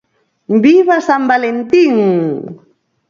Viva San Valentín!